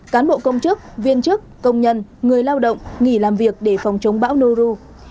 cán bộ công chức viên chức công nhân người lao động nghỉ làm việc để phòng chống bão nu